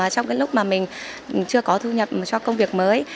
trong cái lúc mà mình chưa có thu nhập cho công việc mới